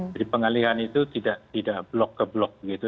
jadi pengalihan itu tidak blok ke blok begitu